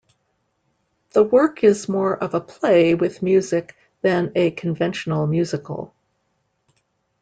The work is more of a play with music than a conventional musical.